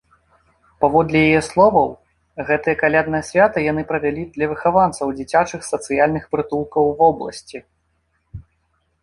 Паводле яе словаў, гэтае калядны свята яны правялі для выхаванцаў дзіцячых сацыяльных прытулкаў вобласці.